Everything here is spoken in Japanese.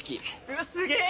うわすげぇ！